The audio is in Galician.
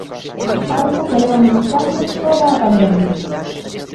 Algo que levan demostrando toda a pandemia.